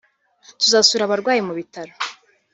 tuzasura abarwayi mu bitaro